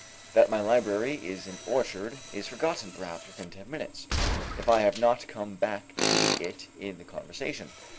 That my library is an orchard is forgotten perhaps within ten minutes, if I have not come back to it in the conversation.